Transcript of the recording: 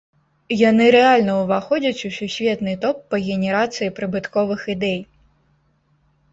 Яны рэальна ўваходзяць у сусветны топ па генерацыі прыбытковых ідэй.